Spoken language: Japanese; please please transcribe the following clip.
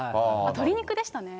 鶏肉でしたね。